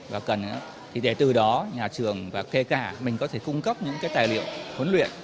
và cần thì để từ đó nhà trường và kể cả mình có thể cung cấp những cái tài liệu huấn luyện